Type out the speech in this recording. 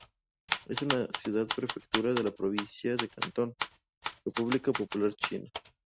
Es una ciudad-prefectura en la Provincia de Cantón, República Popular China.